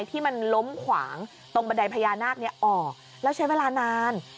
ที่มันล้มขวางตรงบันไดพญานาคนี้ออกแล้วใช้เวลานาน